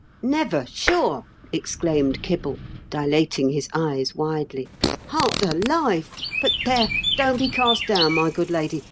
Never, sure !" exclaimed Kebble, dilating his eyes widely. *' Heart alive ! But, there ! don't be cast down, my good lady.